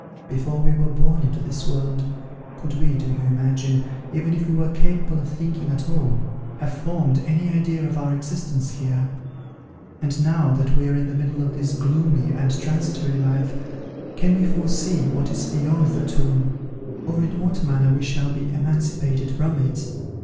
Before we were born into this world, could we, do you imagine, even if we were capable of thinking at all, have formed any idea of our existence here? And now that we are in the middle of this gloomy and transitory life, can we foresee what is beyond the tomb, or in what manner we shall be emancipated from it?